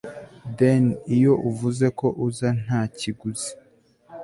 Den iyo uvuze ko uza Nta kiguzi